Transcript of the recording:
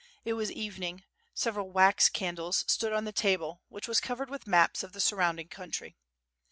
It was evening; several wax candles stood on the table, which was covered with maps of the surrounding country.